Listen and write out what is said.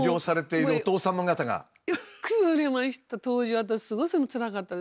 当時は私すごくつらかったです。